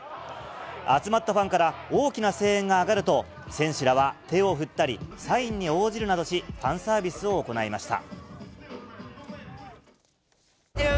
集まったファンから大きな声援が上がると、選手らは手を振ったり、サインに応じるなどし、ファンサービスを行いました。